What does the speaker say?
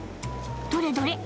どれどれ？